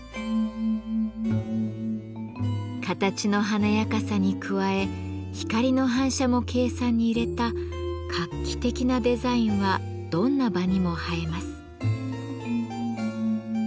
形の華やかさに加え光の反射も計算に入れた画期的なデザインはどんな場にも映えます。